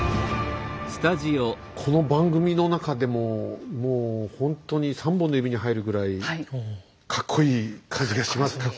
この番組の中でももうほんとに３本の指に入るぐらいかっこいい感じがします。